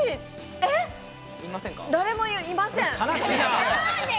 えっ、誰もいません。